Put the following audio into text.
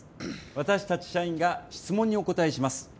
私たち社員が質問にお答えします。